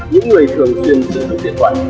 những người thường xuyên sử dụng điện thoại